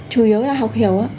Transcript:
chủ yếu là học hiểu